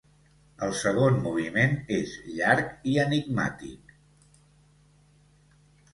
El segon moviment és llarg i enigmàtic.